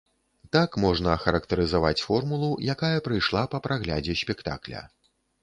Так можна ахарактарызаваць формулу, якая прыйшла па праглядзе спектакля.